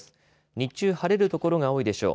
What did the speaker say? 日中、晴れる所が多いでしょう。